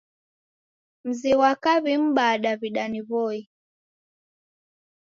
Mzi ghwa kaw'i m'baa Daw'ida ni W'oi.